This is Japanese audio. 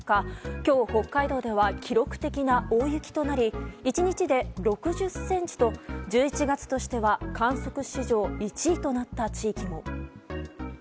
今日、北海道では記録的な大雪となり１日で６０ｃｍと１１月としては観測史上１位となった地域も。